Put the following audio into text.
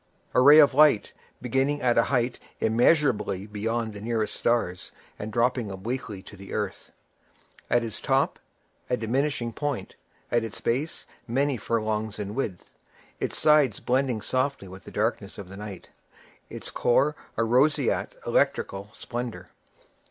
A ray of light, beginning at a height immeasurably beyond the nearest stars, and dropping obliquely to the earth; at its top, a diminishing point; at its base, many furlongs in width; its sides blending softly with the darkness of the night, its core a roseate electrical splendor.